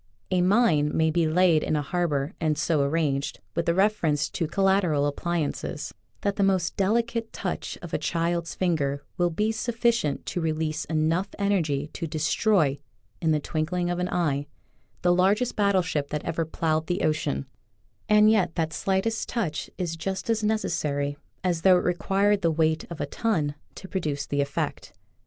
A mine may be laid in a harbor and so arranged, with reference to collateral appliances, that the most delicate touch of a child's finger will be suflicient to release enough energy to destroy — in the twinkling of an eye — the largest battle ship that ever plowed the ocean, and yet that slight touch is just as necessary Original from "< K UNIVERSITY OF WISCONSIN 54 flature'0 Airaclee. as though it required the weight of a ton to produce the effect.